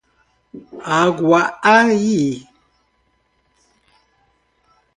Aguaí